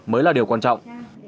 mới là điều quan trọng